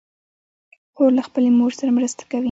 خور له خپلې مور سره مرسته کوي.